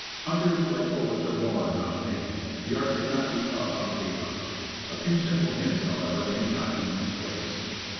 Hunters, like poets, are born, not made. The art cannot be taught 1 1 2 Woodcraft. on paper. A few simple hints, however, may not be misplaced.